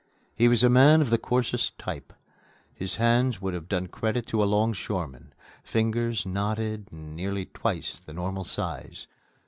He was a man of the coarsest type. His hands would have done credit to a longshoreman fingers knotted and nearly twice the normal size.